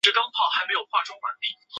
加强交通工程建设